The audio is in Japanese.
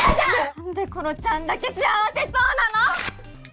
何でころちゃんだけ幸せそうなの！？